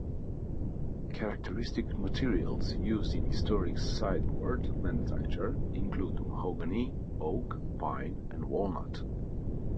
Characteristic materials used in historic sideboard manufacture include mahogany, oak, pine, and walnut.